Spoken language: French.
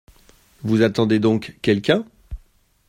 Vous attendez donc quelqu’un ?